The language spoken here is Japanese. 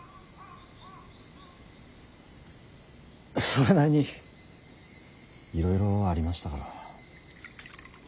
それなりにいろいろありましたから。